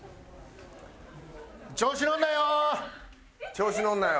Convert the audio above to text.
調子乗るなよ。